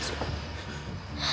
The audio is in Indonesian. pak aku mau masuk